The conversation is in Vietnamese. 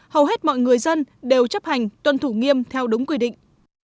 hầu hết mọi người dân đều chấp hành tuân thủ nghiêm theo đúng quy định